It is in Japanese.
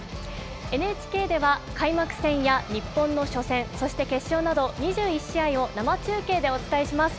ＮＨＫでは開幕戦や日本の初戦、そして決勝など２１試合を生中継でお伝えします。